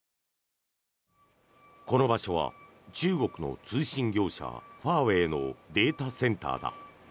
この場所は中国の通信業者ファーウェイのデータセンターだ。